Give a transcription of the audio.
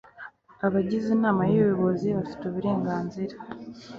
abagize inama y ubuyobozi bafite uburenganzira